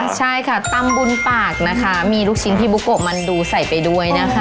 ใช่ตำบุนปากมีลูกชิ้นพี่บุโกมันดูใส่ไปด้วย